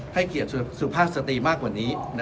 ให้เกียรติสุภาพสตรีมากกว่านี้